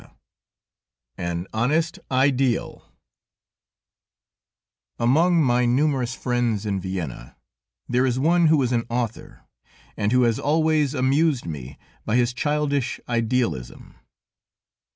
"_ AN HONEST IDEAL Among my numerous friends in Vienna, there is one who is an author, and who has always amused me by his childish idealism.